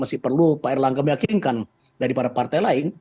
itu pak erlang kemeyakinkan daripada partai lain